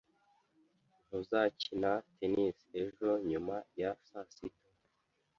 Ntuzakina tennis ejo nyuma ya saa sita?